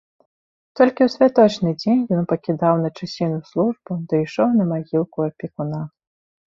Толькі ў святочны дзень ён пакідаў на часіну службу ды ішоў на магілку апекуна.